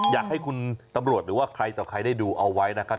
อยากให้คุณตำรวจหรือว่าใครต่อใครได้ดูเอาไว้นะครับ